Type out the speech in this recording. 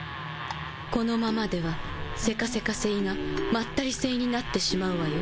このままではセカセカ星がまったり星になってしまうわよ